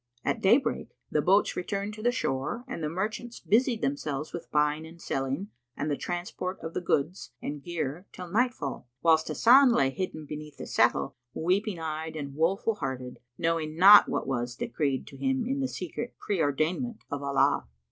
At daybreak, the boats returned to the shore and the merchants busied themselves with buying and selling and the transport of the goods and gear till nightfall, whilst Hasan lay hidden beneath the settle, weeping eyed and woeful hearted, knowing not what was decreed to him in the secret preordainment of Allah.